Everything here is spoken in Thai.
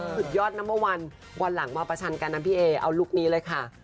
สุดยอดนัมเบอร์วันวันหลังมาประชันกันนะพี่เอเอาลุคนี้เลยค่ะ